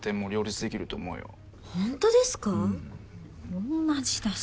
おんなじだし。